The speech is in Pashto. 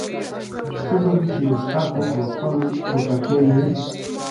ښه به وي چې یو څښاک وکړو، خپل پوټکی یې.